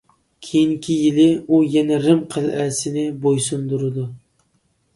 كېيىنكى يىلى ئۇ يەنە رىم قەلئەسىنى بويسۇندۇرىدۇ.